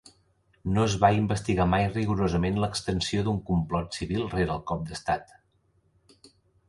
No es va investigar mai rigorosament l'extensió d'un complot civil rere el cop d'estat.